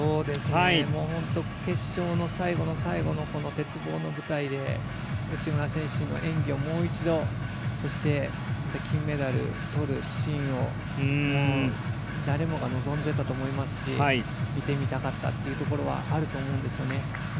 本当、決勝の最後の最後のこの鉄棒の舞台で内村選手の演技をもう一度、そして金メダルとるシーンを誰もが望んでいたと思いますし見てみたかったというところはあると思うんですよね。